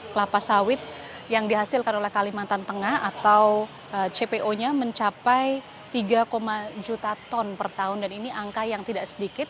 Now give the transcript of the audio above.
kelapa sawit yang dihasilkan oleh kalimantan tengah atau cpo nya mencapai tiga juta ton per tahun dan ini angka yang tidak sedikit